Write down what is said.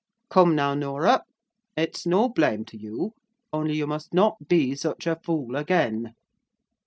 Come, now, Norah: it's no blame to you, only you must not be such a fool again.